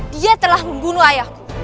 dia telah membunuh ayahku